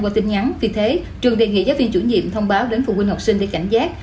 qua tin nhắn vì thế trường đề nghị giáo viên chủ nhiệm thông báo đến phụ huynh học sinh để cảnh giác